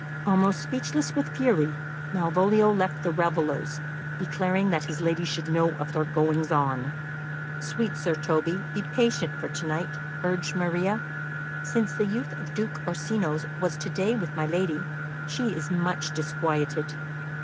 Almost speechless with fury, Malvolio left the revellers, declaring that his lady should know of their goings on. "Sweet Sir Toby, be patient for to night," urged Maria. "Since the youth of Duke Orsino's was to day with my lady, she is much disquieted.